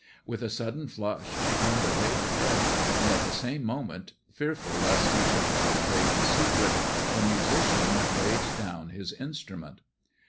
With a sudden flush she turned away her head, and at the same moment, fearful lest he should have betrayed his secret, the musician laid down his instrument.